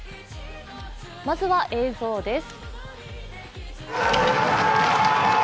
まずは映像です。